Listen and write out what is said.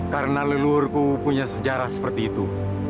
karena lelurku punya sejarah seperti itu